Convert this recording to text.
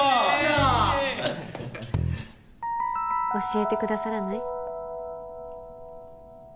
教えてくださらない？